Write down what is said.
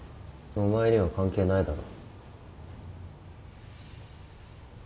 お前には関係ないだろ。